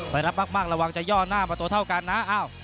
รับมากระวังจะย่อหน้าประตูเท่ากันนะ